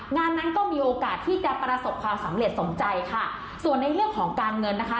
งานนั้นก็มีโอกาสที่จะประสบความสำเร็จสมใจค่ะส่วนในเรื่องของการเงินนะคะ